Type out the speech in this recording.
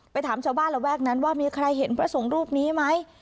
ถามชาวบ้านระแวกนั้นว่ามีใครเห็นพระสงฆ์รูปนี้ไหม